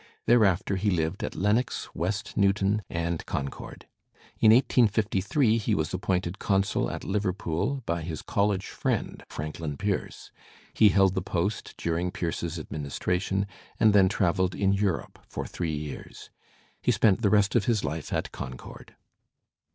Thereafter he lived at Lenox, West Newtx>n and Concord. In 1853 he was appointed Consul at Liverpool by his college friend, Franklin Pierce. He held the post during Pierce's administration and then travelled in Europe for three years. He spent the rest of his life at Concord.